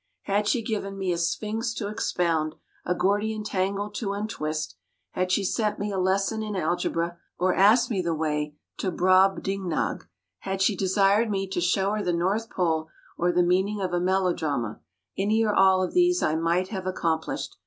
Had she given me a Sphynx to expound, a Gordian tangle to untwist; had she set me a lesson in algebra, or asked me the way to Brobdingnag; had she desired me to show her the North Pole, or the meaning of a melodrama: any or all of these I might have accomplished.